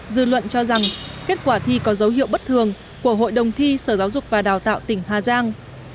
dư luận cho rằng kết quả thi có dấu hiệu bất thường của hội đồng thi sở giáo dục và đào tạo tỉnh hà giang